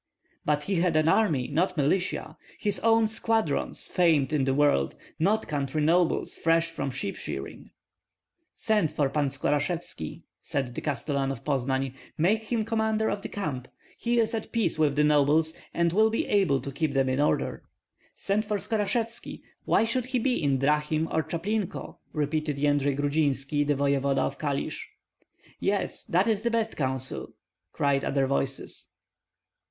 "But he had an army, not militia, his own squadrons famed in the world, not country nobles fresh from sheep shearing." "Send for Pan Skorashevski," said the castellan of Poznan. "Make him commander of the camp. He is at peace with the nobles, and will be able to keep them in order." "Send for Skorashevski. Why should he be in Drahim or Chaplinko?" repeated Yendrei Grudzinski, the voevoda of Kalisk. "Yes, that is the best counsel!" cried other voices.